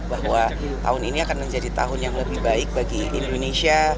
bahwa tahun ini akan menjadi tahun yang lebih baik bagi indonesia